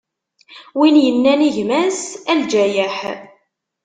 Win yennan i gma-s: A lǧayeḥ!